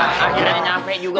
akhirnya nyampe juga